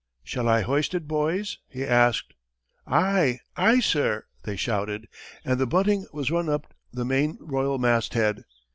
"Shall I hoist it, boys?" he asked. "Aye, aye, sir!" they shouted, and the bunting was run up to the main royal masthead.